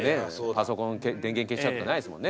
パソコン電源消しちゃうとかないですもんね。